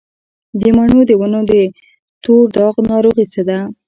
د مڼو د ونو د تور داغ ناروغي څه ده؟